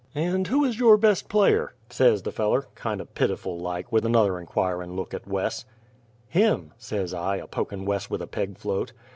"And who is your best player?" says the feller, kindo' pitiful like, with another inquirin' look at Wes. "Him," says I, a pokin' Wes with a peg float.